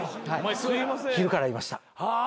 昼からいました。はあ。